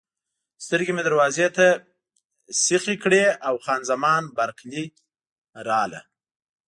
سترګې مې دروازې ته سیخې کړې او خان زمان بارکلي راغله.